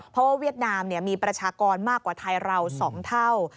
เพราะว่าเวียดนามมีประชากรมากกว่าไทยเรา๒เท่า